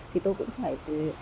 thì tôi cũng phải